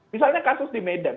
misalnya kasus di medan